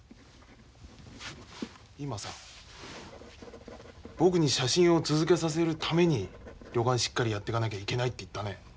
今さ僕に写真を続けさせるために旅館しっかりやっていかなきゃいけないって言ったね。